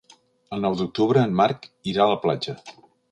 El nou d'octubre en Marc irà a la platja.